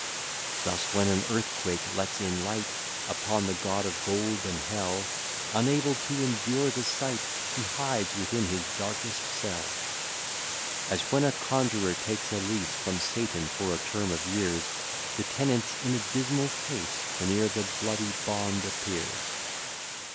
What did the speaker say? Thus when an earthquake lets in light Upon the god of gold and hell, Unable to endure the sight, He hides within his darkest cell. As when a conjurer takes a lease From Satan for a term of years, The tenant's in a dismal case, Whene'er the bloody bond appears.